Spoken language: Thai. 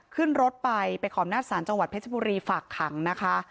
ขึ้นรถไปไปขออำนาจศาลจังหวัดเพชรบุรีฝากขังนะคะ